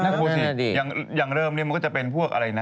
นั่นก็ดีอย่างเริมนี่มันก็จะเป็นพวกอะไรนะ